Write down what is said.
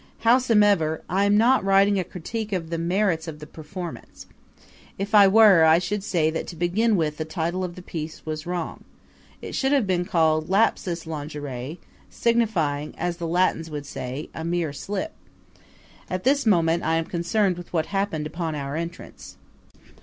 Howsomever, I am not writing a critique of the merits of the performance. If I were I should say that to begin with the title of the piece was wrong. It should have been called Lapsus Lingerie signifying as the Latins would say, "A Mere Slip." At this moment I am concerned with what happened upon our entrance.